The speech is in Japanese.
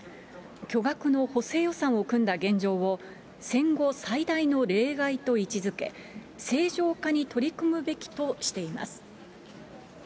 巨額の補正予算を組んだ現状を、戦後最大の例外と位置づけ、正常化に取り組むべきとしています。